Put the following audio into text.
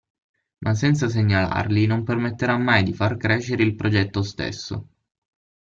Ma senza segnalarli non permetterà mai di far crescere il progetto stesso.